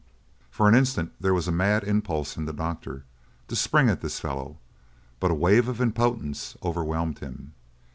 For an instant there was a mad impulse in the doctor to spring at this fellow but a wave of impotence overwhelmed him.